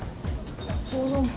小籠包。